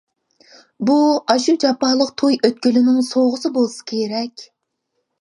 بۇ ئاشۇ جاپالىق توي ئۆتكىلىنىڭ سوۋغىسى بولسا كېرەك.